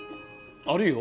あるよ